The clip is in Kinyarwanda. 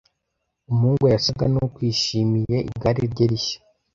Umuhungu yasaga nkuwishimiye igare rye rishya.